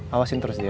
awasin terus dia ya